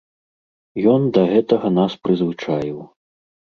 Ён да гэтага нас прызвычаіў.